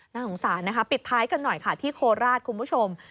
น่าสงสารนะคะปิดท้ายกันหน่อยค่ะที่โคราชคุณผู้ชม